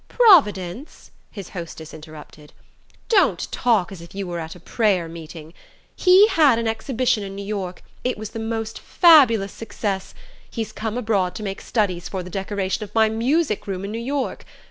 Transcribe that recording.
"Providence?" his hostess interrupted. "Don't talk as if you were at a prayer meeting! He had an exhibition in New York... it was the most fabulous success. He's come abroad to make studies for the decoration of my music room in New York.